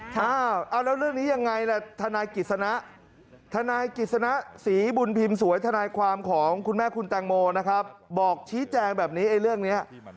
แล้วเรื่องนี้ยังไงทนายกิจสนา